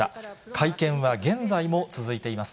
会見は現在も続いています。